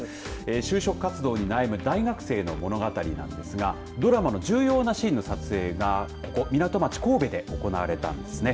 就職活動に悩む大学生の物語なんですがドラマの重要なシーンの撮影が港町・神戸で行われたんですね。